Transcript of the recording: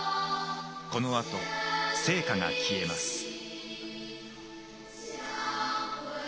このあと聖火が消えます。